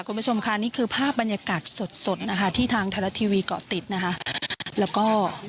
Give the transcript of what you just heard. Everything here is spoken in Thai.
คุณผู้ชมค่ะนี่คือภาพบรรยากาศสดสดนะคะที่ทางไทยรัฐทีวีเกาะติดนะคะแล้วก็